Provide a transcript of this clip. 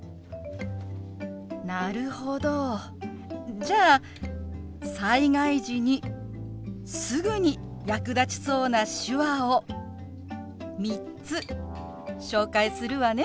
なるほどじゃあ災害時にすぐに役立ちそうな手話を３つ紹介するわね。